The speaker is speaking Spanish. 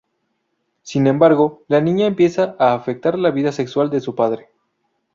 Sin embargo, la niña empieza a afectar la vida sexual de su padre.